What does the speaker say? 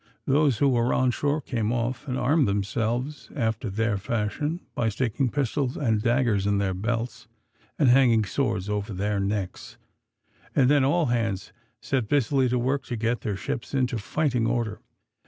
Those who were on shore came off and armed themselves after their fashion, by sticking pistols and daggers in their belts, and hanging swords over their necks, and then all hands set busily to work to get their ships into fighting order.